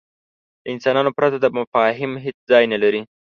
له انسانانو پرته دا مفاهیم هېڅ ځای نهلري.